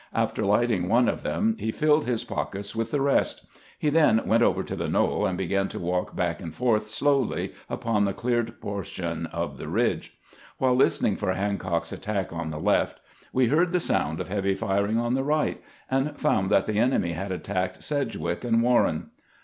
After lighting one of them, he filled his pockets with the rest. He then went over to the knoll, and began to walk back and forth slowly upon the cleared portion of the ridge. While listening for Hancock's attack on the left, we heard the 56 HANCOCK FLUSHED WITH VICTORY 57 sound of heavy firing on the right, and found that the enemy had attacked Sedgwick and Warren.